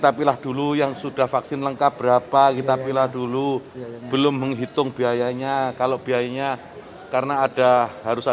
aplikasi peduli dunia dan tawakarna